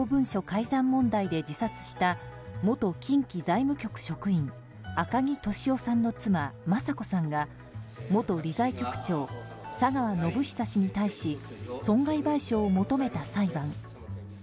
改ざん問題で自殺した元近畿財務局職員赤木俊夫さんの妻雅子さんが元理財局長・佐川宣寿氏に対し損害賠償を求めた裁判。